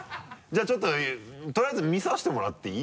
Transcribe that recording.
じゃあちょっととりあえず見させてもらっていい？